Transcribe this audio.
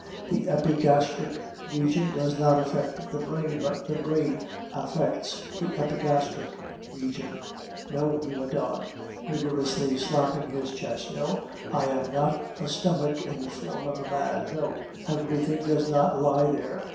The epigastric region does not affect the brain but the brain affects the epigastric region. No," he went on, vigorously slapping his chest, "no, I am not a stomach in the form of a man. No, everything does not lie there.